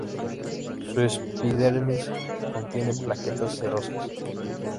Su epidermis contiene plaquetas cerosas.